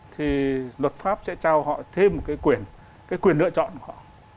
thì luật pháp sẽ trao họ thêm một cái quyền cái quyền lựa chọn của họ